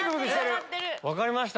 分かりました。